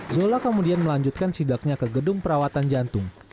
zola kemudian melanjutkan sidaknya ke gedung perawatan jantung